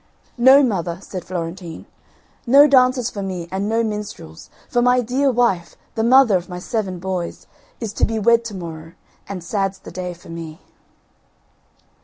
"No, mother," said Florentine, "no dancers for me and no minstrels, for my dear wife, the mother of my seven, boys, is to be wed to morrow, and sad's the day for me."